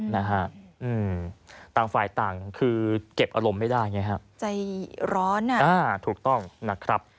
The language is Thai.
นะฮะอืมต่างฝ่ายต่างคือเก็บอารมณ์ไม่ได้ไงฮะใจร้อนอ่ะอ่าถูกต้องนะครับ